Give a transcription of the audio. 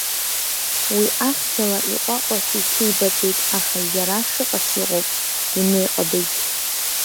Уи ахьӡала иҟәаҟәаса иҭеибаҵеит, аха иара шыҟац иҟоуп, дунеи ҟадыџь.